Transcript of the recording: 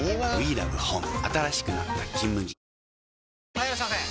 はいいらっしゃいませ！